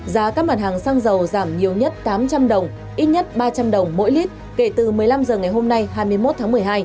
giá các mặt hàng xăng dầu giảm nhiều nhất tám trăm linh đồng ít nhất ba trăm linh đồng mỗi lít kể từ một mươi năm h ngày hôm nay hai mươi một tháng một mươi hai